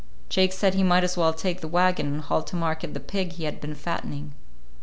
Jake said he might as well take the wagon and haul to market the pig he had been fattening.